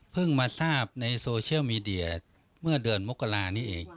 มาทราบในโซเชียลมีเดียเมื่อเดือนมกรานี้เอง